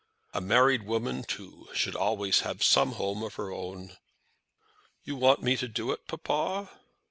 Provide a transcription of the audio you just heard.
A married woman too should always have some home of her own." "You want me to do it, papa?"